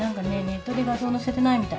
ネットで画像載せてないみたい。